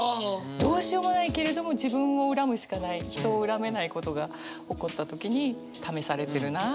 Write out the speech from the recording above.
どうしようもないけれども自分を恨むしかない人を恨めないことが起こった時に試されてるな。